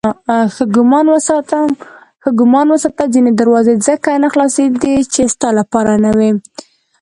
ښه ګمان وساته ځینې دروازې ځکه نه خلاصېدې چې ستا لپاره نه وې.